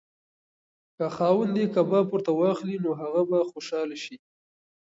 که خاوند یې کباب ورته واخلي نو هغه به خوشحاله شي.